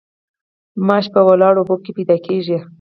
ماشي په ولاړو اوبو کې پیدا کیږي